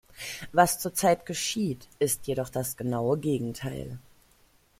Was zurzeit geschieht, ist jedoch das genaue Gegenteil.